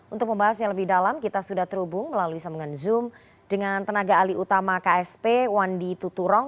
untuk membahasnya lebih dalam kita sudah terhubung melalui sambungan zoom dengan tenaga alih utama ksp wandi tuturong